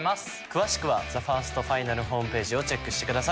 詳しくは「ＴＨＥＦＩＲＳＴＦＩＮＡＬ」ホームページをチェックしてください。